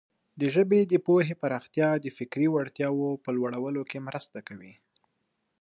د ژبې د پوهې پراختیا د فکري وړتیاوو په لوړولو کې مرسته کوي.